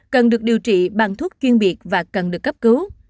cần được điều trị bằng thuốc chuyên biệt và cần được cấp cứu